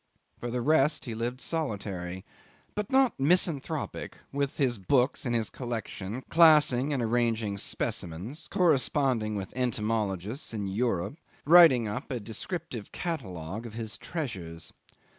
For the rest he lived solitary, but not misanthropic, with his books and his collection, classing and arranging specimens, corresponding with entomologists in Europe, writing up a descriptive catalogue of his treasures.